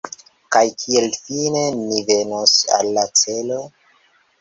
Kaj kiel fine ni venos al la celo?